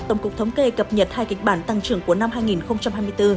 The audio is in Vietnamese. tổng cục thống kê cập nhật hai kịch bản tăng trưởng của năm hai nghìn hai mươi bốn